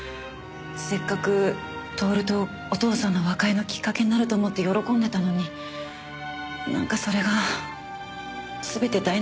せっかく享とお父さんの和解のきっかけになると思って喜んでたのになんかそれが全て台無しになってしまいそうで。